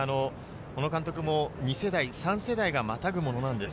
小野監督も２世代、第３世代がまたぐものなんです。